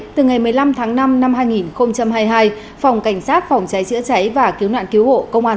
từ ngày một mươi năm tháng năm năm hai nghìn hai mươi hai phòng cảnh sát phòng cháy chữa cháy và cứu nạn cứu hộ công an